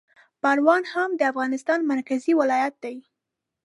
پروان هم د افغانستان مرکزي ولایت دی